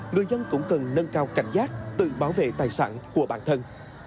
người dân cũng cần nâng cao cảnh giác tự bảo vệ tài sản của bản thân